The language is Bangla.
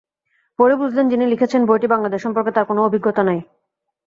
পড়ে বুঝলেন, যিনি লিখেছেন বইটি, বাংলাদেশ সম্পর্কে তাঁর কোনো অভিজ্ঞতা নেই।